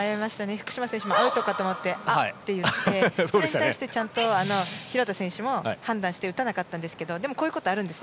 福島選手、固まってあって言ってそれに対してちゃんと廣田選手も判断して打たなかったんですけどでも、こういうことあるんです。